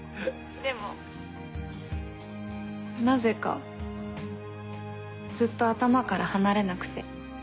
でもなぜかずっと頭から離れなくて。